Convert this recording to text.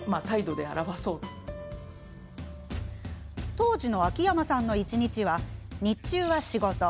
当時の秋山さんの一日は日中は仕事。